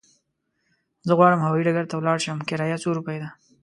زه غواړم هوايي ډګر ته ولاړ شم، کرايه څو روپی ده؟